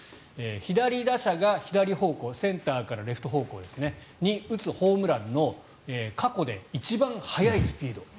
左打者が左方向センターからレフト方向に打つホームランの過去で一番速いスピード